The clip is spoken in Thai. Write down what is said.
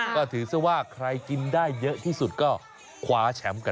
ก็ถือเสื้อว่าใครกินได้เยอะที่สุดก็คว้าแฉมกันต่อ